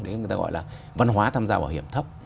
đấy người ta gọi là văn hóa tham gia bảo hiểm thấp